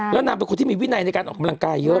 แล้วนางเป็นคนที่มีวินัยในการออกกำลังกายเยอะ